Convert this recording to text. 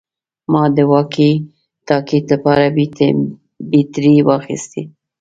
ما د واکي ټاکي لپاره بیټرۍ واخیستې